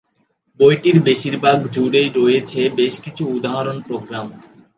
বইটির বেশির ভাগ জুড়েই রয়েছে বেশ কিছু উদাহরণ প্রোগ্রাম।